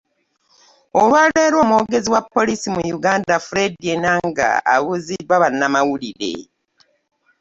Olwa leero omwogezi wa poliisi mu ggwanga, Fred Enanga abuuziddwa bannamawulire